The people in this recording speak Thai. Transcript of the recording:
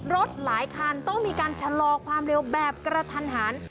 หลายคันต้องมีการชะลอความเร็วแบบกระทันหัน